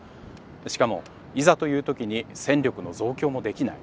しかもいざという時に戦力の増強もできない。